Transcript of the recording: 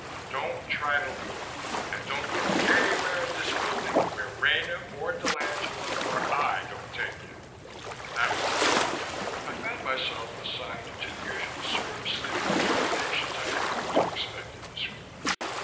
"Don't try to leave. And don't go anywhere in this building where Rena or dell'Angela or I don't take you." And that was that. I found myself assigned to the usual sort of sleeping accommodations I had come to expect in this group.